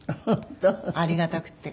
ありがたくて。